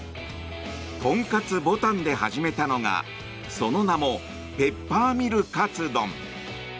とんかつぼたんで始めたのがその名もペッパーミル勝どん。